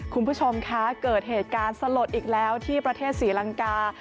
คุณผู้ชมคะเกิดเหตุการณ์สลดอีกแล้วที่ประเทศศรีลังกา